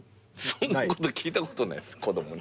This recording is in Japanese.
そんなこと聞いたことないっす子供に。